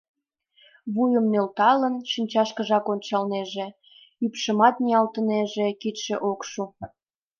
Вуйым нӧлталын, шинчашкыжак ончалнеже, ӱпшымат ниялтынеже — кидше ок шу.